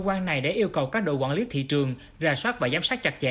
cơ quan này đã yêu cầu các đội quản lý thị trường ra soát và giám sát chặt chẽ